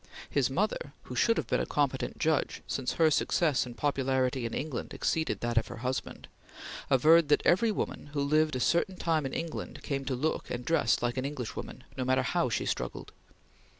His mother who should have been a competent judge, since her success and popularity in England exceeded that of her husband averred that every woman who lived a certain time in England came to look and dress like an Englishwoman, no matter how she struggled.